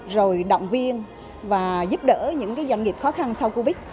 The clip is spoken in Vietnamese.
rồi động viên và giúp đỡ những doanh nghiệp khó khăn sau covid